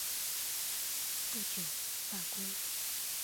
不久罢归。